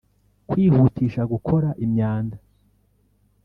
kwihutisha gukora imyanda.